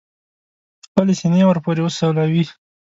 خپلې سینې ور پورې سولوي.